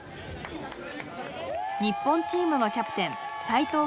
日本チームのキャプテン齋藤元希選手です。